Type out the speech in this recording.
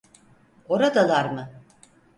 Oradalar mı?